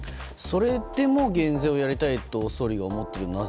それでも減税をやりたいと総理は思っている。